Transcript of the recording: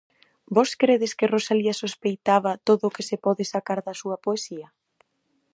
Vós credes que Rosalía sospeitaba todo o que se pode sacar da súa poesía?